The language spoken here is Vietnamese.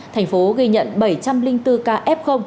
thành phố ghi nhận bảy trăm linh bốn ca f